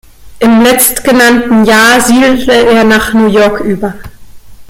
Im letztgenannten Jahr siedelte er nach New York über.